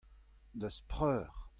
d'az preur.